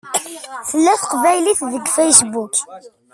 Tella teqbaylit deg Facebook.